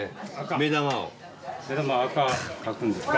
目玉あか描くんですか。